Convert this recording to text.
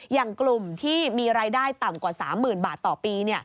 อย่างกลุ่มที่มีรายได้ต่ำกว่า๓๐๐๐บาทต่อปี